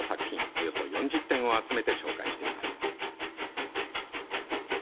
およそ４０点を集めて公開しています。